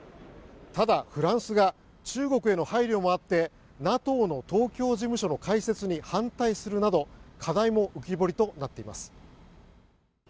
ただ、フランスが中国への配慮もあってＮＡＴＯの東京事務所の開設に反対するなど課題も浮き彫りとなっています。